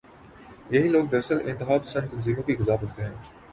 یہی لوگ دراصل انتہا پسند تنظیموں کی غذا بنتے ہیں۔